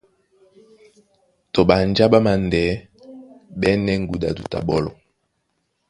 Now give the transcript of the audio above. Tɔ ɓanjá ɓá māndɛɛ́ ɓɛ́nɛ ŋgudi ó duta ɓɔ́lɔ,